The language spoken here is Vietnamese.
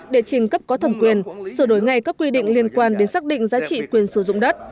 để trình cấp có thẩm quyền sửa đổi ngay các quy định liên quan đến xác định giá trị quyền sử dụng đất